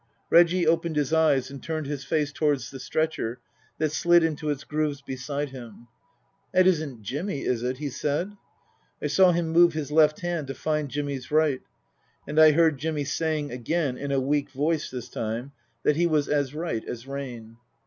Reggie opened his eyes and turned his face towards the stretcher that slid into its grooves beside him. " That isn't Jimmy is it ?" he said. I saw him move his left hand to find Jimmy's right. And I heard Jimmy saying again (in a weak voice this time) that he was as right as rain.